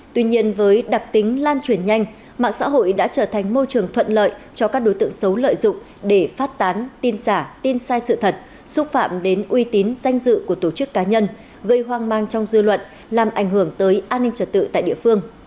tuy nhiên với đặc tính lan truyền nhanh mạng xã hội đã trở thành môi trường thuận lợi cho các đối tượng xấu lợi dụng để phát tán tin giả tin sai sự thật xúc phạm đến uy tín danh dự của tổ chức cá nhân gây hoang mang trong dư luận làm ảnh hưởng tới an ninh trật tự tại địa phương